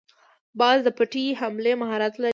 باز د پټې حملې مهارت لري